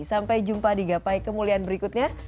sampai jumpa di gapai kemuliaan berikutnya